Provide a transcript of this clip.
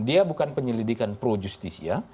dia bukan penyelidikan pro justis ya